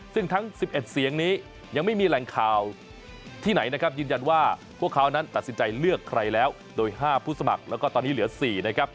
ซึ่งทั้ง๑๑เสียงนี้ยังไม่มีแหล่งข่าวที่ไหนนะครับยืนยันว่าพวกเขานั้นตัดสินใจเลือกใครแล้วโดย๕ผู้สมัครแล้วก็ตอนนี้เหลือ๔นะครับ